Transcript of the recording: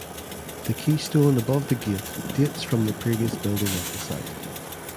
The keystone above the gate dates from the previous building at the site.